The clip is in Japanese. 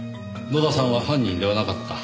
野田さんは犯人ではなかった？